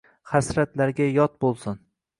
Hasratlarga yot bo’lsin».